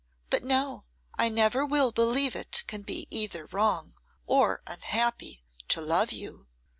But no, I never will believe it can be either wrong or unhappy to love you.